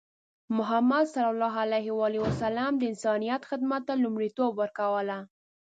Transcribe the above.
محمد صلى الله عليه وسلم د انسانیت خدمت ته لومړیتوب ورکوله.